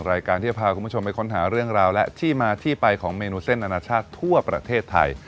รายการที่จะพาคุณผู้ชมไปค้นหาเรื่องราวและที่มาที่ไปของเมนูเส้นอนาชาติทั่วประเทศไทย